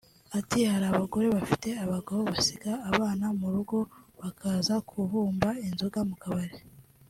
Ati “ Hari abagore bafite abagabo basiga abana mu rugo bakaza kuvumba inzoga mu kabari